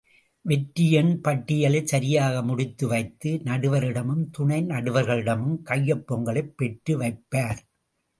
வெற்றி எண் பட்டியலை சரியாக முடித்து வைத்து, நடுவரிடமும், துணை நடுவர்களிடமும் கையொப்பங்களைப் பெற்று வைப்பார்.